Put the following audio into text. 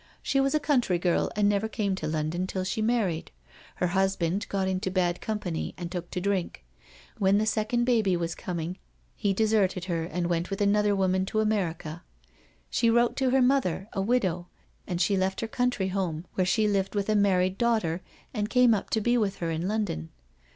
She was a country girl and never came to London till she married. Her husband got into bad company and took to drink. When the second baby was coming he deserted her and went with another woman to America. She wrote to her mother, a widow, and she left her country home, where she lived with a married daughter, and came up to be with her in London.